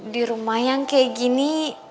di rumah yang kayak gini